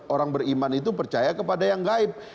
orang beriman itu percaya kepada yang gaib